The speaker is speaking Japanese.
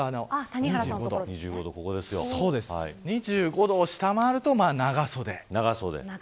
２５度を下回ると長袖。